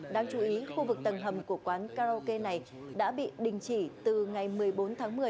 đáng chú ý khu vực tầng hầm của quán karaoke này đã bị đình chỉ từ ngày một mươi bốn tháng một mươi